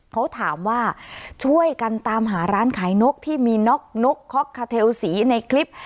เขาถามว่าช่วยกันตามหาร้านขายนกที่มีน็อกนกค็อกคาเทลสีในคลิป